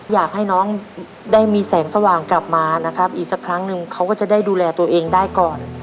อยากให้น้องได้มีแสงสว่างกลับมานะครับอีกสักครั้งนึงเขาก็จะได้ดูแลตัวเองได้ก่อน